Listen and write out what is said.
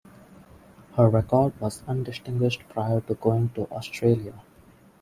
Her record was undistinguished prior to going to Australia.